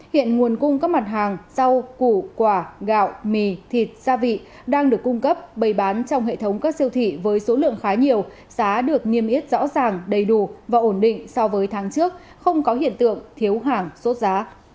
hiện nguồn cung các mặt hàng rau củ quả gạo mì thịt gia vị đang được cung cấp bày bán trong hệ thống các siêu thị với số lượng khá nhiều giá được niêm yết rõ ràng đầy đủ và ổn định so với tháng trước không có hiện tượng thiếu hàng sốt giá